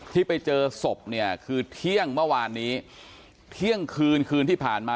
ที่ไปเจอศพเนี่ยคือเที่ยงเมื่อวานนี้เที่ยงคืนคืนที่ผ่านมา